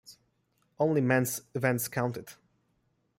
Only men's events counted.